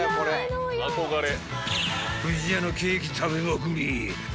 不二家のケーキ食べまくり。